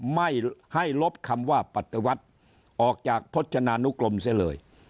ไม่ให้ลบคำว่าปฏิวัติออกจากพจนานุกรมเสียเลย